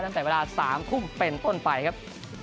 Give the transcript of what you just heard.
ตั้งแต่เวลา๓ทุ่มเป็นต้นไปครับ